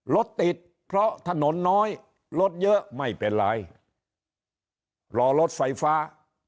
รถติดเพราะถนนน้อยรถเยอะไม่เป็นไรรอรถไฟฟ้า